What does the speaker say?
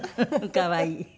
可愛い。